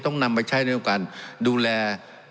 ต้องนำไปใช้ในเรื่องของการดูแล